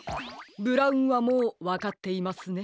ブラウンはもうわかっていますね。